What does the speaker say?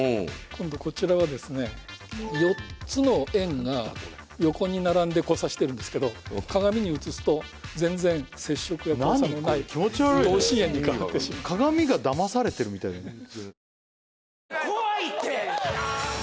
今度こちらはですね４つの円が横に並んで交差してるんですけど鏡に映すと全然接触や交差のない同心円に変わってしまう鏡がだまされてるみたいだね